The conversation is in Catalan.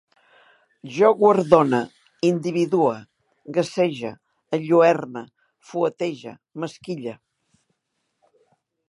Jo guardone, individue, gasege, enlluerne, fuetege, m'esquille